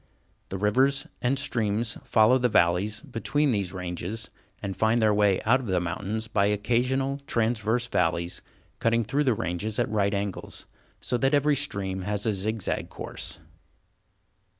The rivers and streams follow the valleys between these ranges, and find their way out of the mountains by occasional, transverse valleys, cutting through the ranges at right angles, so that every stream has a zig zag course.